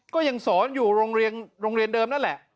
ก็ยังสอนอยู่โรงเรียนเดิมนั่นแหละ